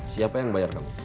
siapa yang bayar kamu